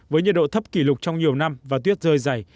với nhiệt độ thấp kỷ lục trong nhiều năm và tuyết rơi dày